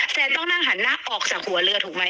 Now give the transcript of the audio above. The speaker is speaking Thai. ต้องนั่งหันหน้าออกจากหัวเรือถูกไหม